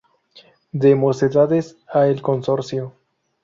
De Mocedades a El Consorcio.